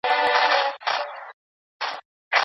قمري یو ځل بیا په هوا کې والوته.